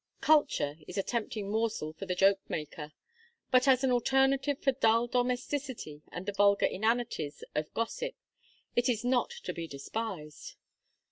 'Culture' is a tempting morsel for the jokemaker, but as an alternative for dull domesticity and the vulgar inanities of gossip it is not to be despised."